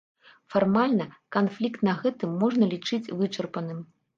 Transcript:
Фармальна, канфлікт на гэтым можна лічыць вычарпаным.